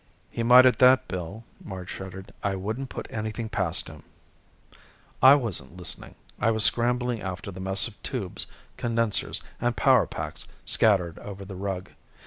"He might at that, Bill," Marge shuddered. "I wouldn't put anything past him." I wasn't listening. I was scrambling after the mess of tubes, condensers and power packs scattered over the rug.